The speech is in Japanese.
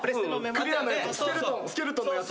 クリアなやつスケルトンのやつ。